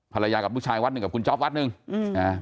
ภรรยากับลูกชายวัดหนึ่งกับคุณจ๊อปวัดหนึ่งอืมนะฮะ